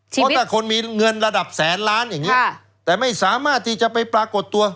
เพราะถ้าคนมีเงินระดับแสนล้านอย่างนี้แต่ไม่สามารถที่จะไปปรากฏตัว